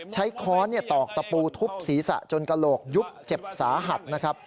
ค้อนตอกตะปูทุบศีรษะจนกระโหลกยุบเจ็บสาหัสนะครับ